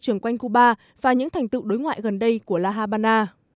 trưởng quanh cuba và những thành tựu đối ngoại gần đây của la habana